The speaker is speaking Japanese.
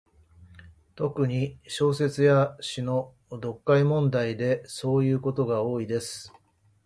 特に、小説や詩の読解問題でそういうことが多いです。